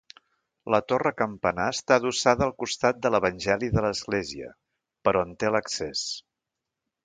La torre-campanar està adossada al costat de l'Evangeli de l'església, per on té l'accés.